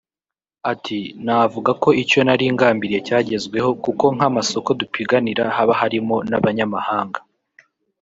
Ati “Navuga ko icyo nari ngambiriye cyagezweho kuko nk’amasoko dupiganira haba harimo n’abanyamahanga